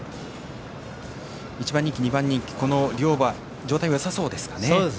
１番人気、２番人気両馬状態はよさそうですかね。